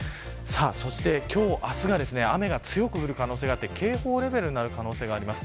そして今日、明日は雨が強く降る可能性があって警報レベルになる可能性があります。